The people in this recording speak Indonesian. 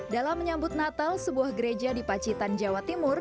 dalam menyambut natal sebuah gereja di pacitan jawa timur